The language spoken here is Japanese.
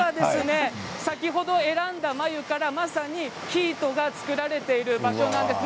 先ほど選んだ繭からまさに生糸が作られている場所なんです。